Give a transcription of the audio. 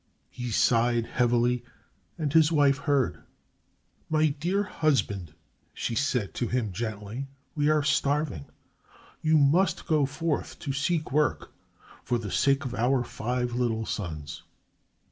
He sighed heavily and his wife heard. "My dear husband," she said to him gently, "we are starving. You must go forth to seek work for the sake of our five little sons."